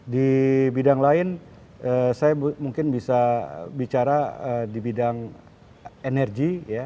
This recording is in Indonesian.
di bidang lain saya mungkin bisa bicara di bidang energi